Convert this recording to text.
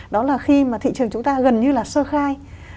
đó là khi mà thị trường chúng ta gần như là sơ khai